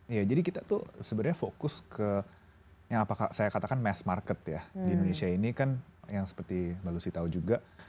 iya jadi kita tuh sebenarnya fokus ke yang saya katakan mass market ya di indonesia ini kan yang seperti mbak lucy tahu juga